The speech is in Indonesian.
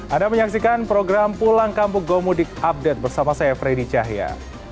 anda menyaksikan program pulang kampung gomudik update bersama saya freddy cahya